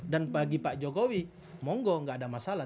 dan bagi pak jokowi monggo gak ada masalah